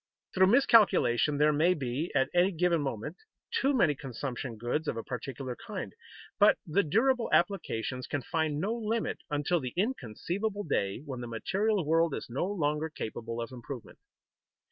Through miscalculation there may be, at a given moment, too many consumption goods of a particular kind, but the durable applications can find no limit until the inconceivable day when the material world is no longer capable of improvement.